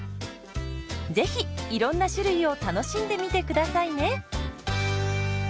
是非いろんな種類を楽しんでみて下さいね。